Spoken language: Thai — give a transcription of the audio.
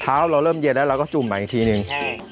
เท้าเราเริ่มเหยียดแล้วเราก็จุ่มใหม่อีกทีนึง